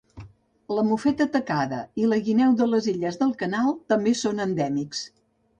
La mofeta tacada i la guineu de les illes del Canal també son endèmics.